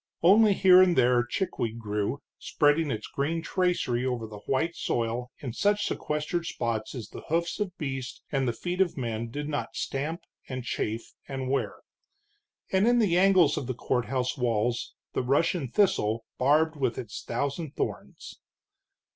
Only here and there chickweed grew, spreading its green tracery over the white soil in such sequestered spots as the hoofs of beast and the feet of men did not stamp and chafe and wear; and in the angles of the courthouse walls, the Russian thistle, barbed with its thousand thorns.